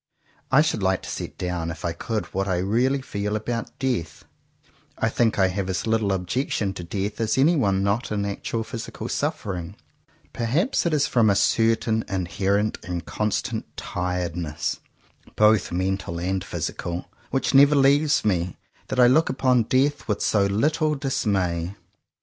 I should like to set down, if I could what I really feel about death. I think I have as little objection to death as anyone not in actual physical suffering. Perhaps it is from a certain inherent and constant tired ness, both mental and physical, which never leaves me, that I look upon death with so little dismay.